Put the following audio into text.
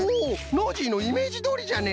ノージーのイメージどおりじゃね！